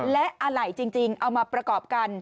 และอะไหล่จริงเอามาประกอบกัน